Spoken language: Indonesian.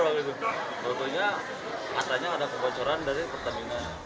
artinya ada kebocoran dari pertemina